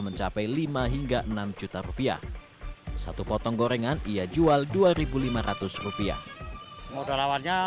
mencapai lima hingga enam juta rupiah satu potong gorengan ia jual dua ribu lima ratus rupiah modal awalnya